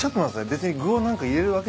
別に具を何か入れるわけじゃ。